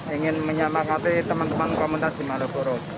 ingin menyemangati teman teman komunitas di malioboro